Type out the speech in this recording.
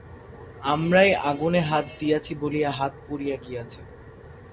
আমরাই আগুনে হাত দিয়াছি বলিয়া হাত পুড়িয়া গিয়াছে।